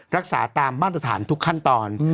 รักษาตามมาตรฐานทุกขั้นตอน